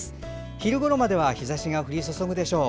昼ごろまでは日ざしが降り注ぐでしょう。